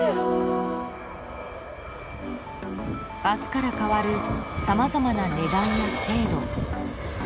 明日から変わるさまざまな値段や制度。